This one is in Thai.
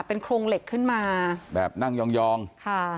เป็นโครงเหล็กขึ้นมาแบบนั่งยองค่ะ